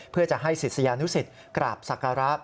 เพื่อจะให้ศิษยานุสิตกราบศักระ